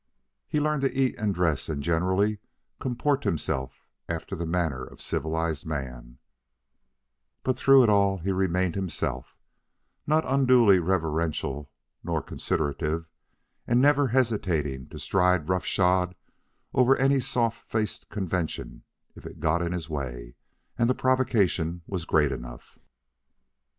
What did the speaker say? He learned to eat and dress and generally comport himself after the manner of civilized man; but through it all he remained himself, not unduly reverential nor considerative, and never hesitating to stride rough shod over any soft faced convention if it got in his way and the provocation were great enough.